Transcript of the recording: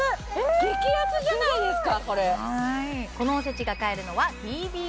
激安じゃないですか